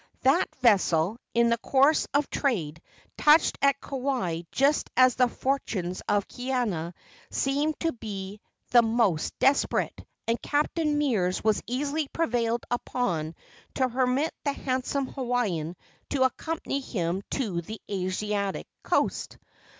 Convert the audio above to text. That vessel, in the course of trade, touched at Kauai just as the fortunes of Kaiana seemed to be the most desperate, and Captain Meares was easily prevailed upon to permit the handsome Hawaiian to accompany him to the Asiatic coast.